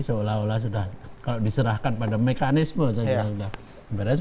seolah olah sudah kalau diserahkan pada mekanisme saja sudah beres